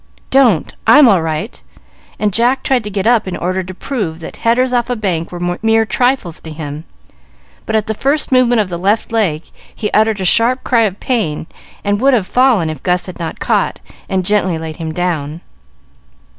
"Don't! I'm all right," and Jack tried to get up in order to prove that headers off a bank were mere trifles to him; but at the first movement of the left leg he uttered a sharp cry of pain, and would have fallen if Gus had not caught and gently laid him down.